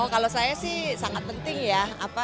kalau saya sih sangat penting ya